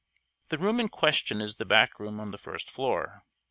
The room in question is the back room on the first floor.